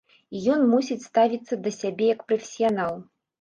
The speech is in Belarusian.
І ён мусіць ставіцца да сябе як прафесіянал.